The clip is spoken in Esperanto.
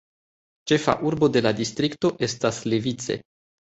Ĉefa urbo de la distrikto estas Levice.